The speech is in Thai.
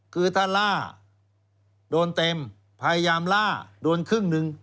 คือถ้าล่าโดนเต็มพยายามล่าโดนครึ่งหนึ่ง